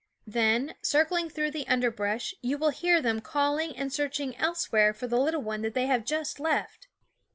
Then, circling through the underbrush, you will hear them calling and searching elsewhere for the little one that they have just left.